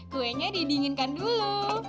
kuenya didinginkan dulu